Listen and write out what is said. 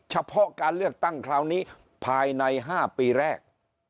เฉพาะการเลือกตั้งคราวนี้ภายใน๕ปีแรก